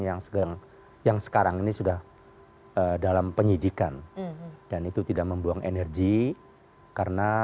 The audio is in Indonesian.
yang segeng yang sekarang ini sudah dalam penyidikan dan itu tidak membuang energi karena